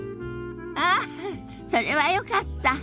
ああそれはよかった。